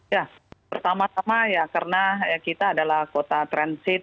ya pertama tama ya karena kita adalah kota transit